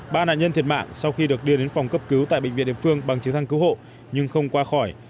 ba nạn nhân thiệt mạng sau khi được đưa đến phòng cấp cứu tại bệnh viện địa phương bằng chiến thắng cứu hộ nhưng không qua khỏi